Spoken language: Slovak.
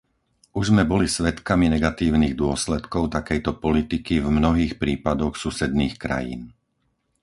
Už sme boli svedkami negatívnych dôsledkov takejto politiky v mnohých prípadoch susedných krajín.